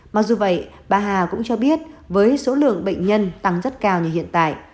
mặc dù vậy bà hà cũng cho biết với số lượng bệnh nhân tăng rất cao như hiện tại